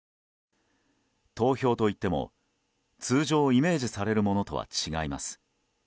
投票といっても通常イメージされるものとは違います。